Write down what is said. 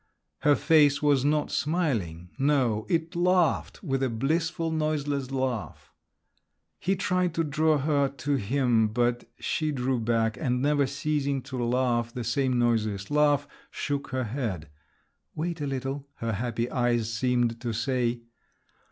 Her face was not smiling … no! it laughed, with a blissful, noiseless laugh. He tried to draw her to him, but she drew back, and never ceasing to laugh the same noiseless laugh, shook her head. "Wait a little," her happy eyes seemed to say.